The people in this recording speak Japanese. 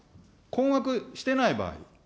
困惑してない場合。